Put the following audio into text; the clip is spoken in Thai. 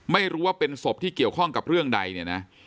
ไม่รู้ว่าเป็นศพที่เกี่ยวข้องกับเรื่องใดเนี่ยนะ